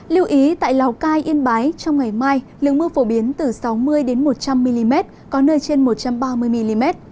lưu ý tại lào cai yên bái trong ngày mai lượng mưa phổ biến từ sáu mươi một trăm linh mm có nơi trên một trăm ba mươi mm